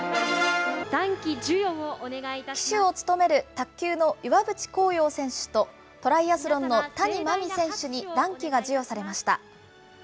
旗手を務める卓球の岩渕幸洋選手と、トライアスロンの谷真海選手に団旗が授与されました。